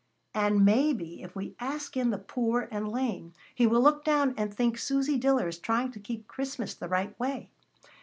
"And maybe, if we ask in the poor and lame, He will look down and think Susy Diller is trying to keep Christmas the right way.